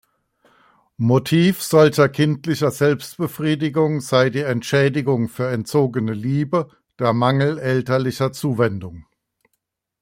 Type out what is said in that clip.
Motiv solcher kindlicher Selbstbefriedigung sei die "Entschädigung für entzogene Liebe", der Mangel elterlicher Zuwendung.